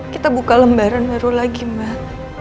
kita buka lembaran baru lagi mbak